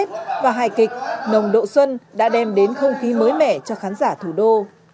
tết và hài kịch nồng độ xuân đã đem đến không khí mới mẻ cho khán giả thủ đô